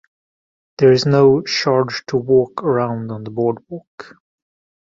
There is no charge to walk around on the boardwalk.